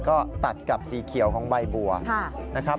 ก็ตัดกับสีเขียวของใบบัวนะครับ